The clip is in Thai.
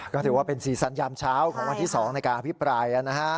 ก็ถือว่าเป็นสีสันยามเช้าของวันที่๒ในการอภิปรายนะฮะ